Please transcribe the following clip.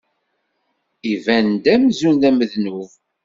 Iban-d amzun d amednub.